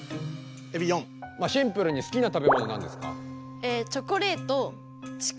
シンプルに好きな食べ物なんですか？